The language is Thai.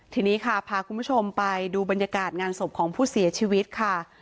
ทีนี้ค่ะพาคุณผู้ชมไปดูบรรยากาศงานศพของผู้เสียชีวิตค่ะ